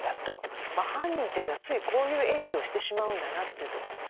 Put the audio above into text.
犯人というのはついこういう演技をしてしまうんだなというとこですね。